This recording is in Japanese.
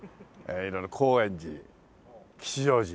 色々高円寺吉祥寺国分寺。